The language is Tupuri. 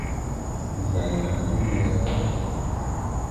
Ndi hay hã bil ne daʼge.